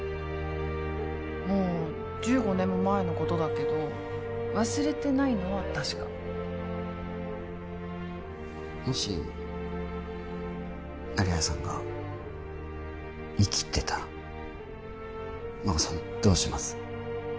もう１５年も前のことだけど忘れてないのは確かもし成合さんが生きてたら真子さんどうします？